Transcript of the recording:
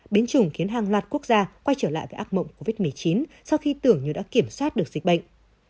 biến chủng khiến hàng loạt quốc gia quay trở lại với ác mộng covid một mươi chín sau khi tưởng như đã kiểm soát được dịch bệnh